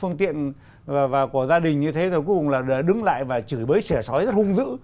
mà chửi bới xê xoa rất hung dữ